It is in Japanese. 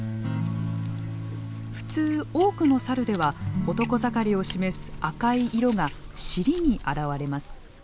普通多くのサルでは男盛りを示す赤い色が尻に現れます。